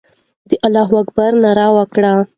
د الله اکبر ناره وکړه.